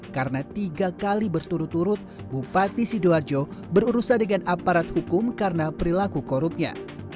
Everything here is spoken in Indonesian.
karena tiga kali berturut turut bupati sidoarjo berurusan dengan aparat hukum karena perilaku korupnya